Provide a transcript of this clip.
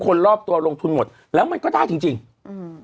คนรอบตัวลงทุนหมดแล้วมันก็ได้จริงจริงอืม